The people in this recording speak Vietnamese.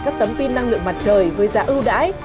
các tấm pin năng lượng mặt trời với giá ưu đãi